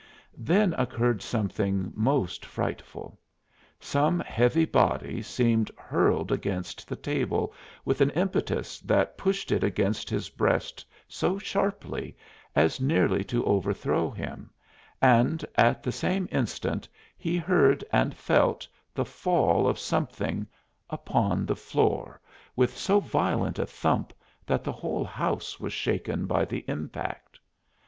Then occurred something most frightful. Some heavy body seemed hurled against the table with an impetus that pushed it against his breast so sharply as nearly to overthrow him, and at the same instant he heard and felt the fall of something upon the floor with so violent a thump that the whole house was shaken by the impact.